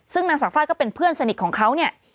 ซึ่งนางสาวไฟล์ก็เป็นเพื่อนสนิทของเขาเนี่ย